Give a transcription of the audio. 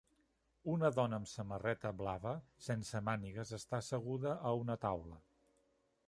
Una dona amb samarreta blava sense mànigues està asseguda a una taula